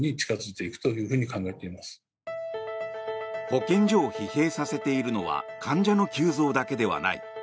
保健所を疲弊させているのは患者の急増だけではない。